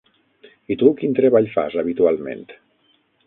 I tu, quin treball fas habitualment?